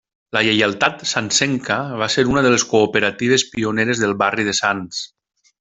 La Lleialtat Santsenca va ser una de les cooperatives pioneres del barri de Sants.